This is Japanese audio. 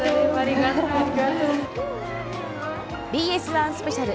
ＢＳ１スペシャル